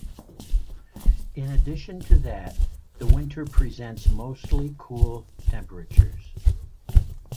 In addition to that, the winter presents mostly cool temperatures.